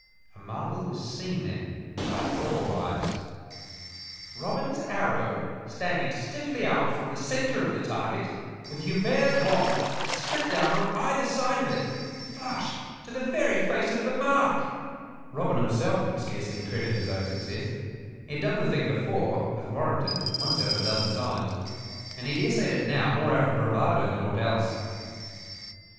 A marvel was seen then by all eyes Robin's arrow standing stiffly out from the center of the target, with Hubert's wand split down on either side of it flush to the very face of the mark! Robin himself could scarcely credit his own success. He had done the thing before, with Warrenton, once out of a dozen times: and he had essayed it now more out of bravado than aught else.